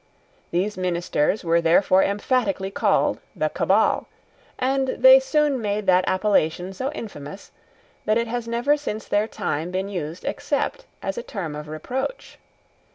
These ministers were therefore emphatically called the Cabal; and they soon made that appellation so infamous that it has never since their time been used except as a term of reproach.